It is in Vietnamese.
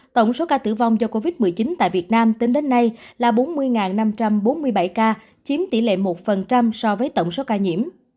tổng số ca tử vong do covid một mươi chín tại việt nam tính đến nay là bốn mươi năm trăm bốn mươi bảy ca chiếm tỷ lệ một so với tổng số ca nhiễm